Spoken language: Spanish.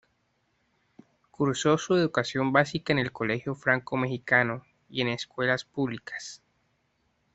Cursó su educación básica en el Colegio Franco Mexicano y en escuelas públicas.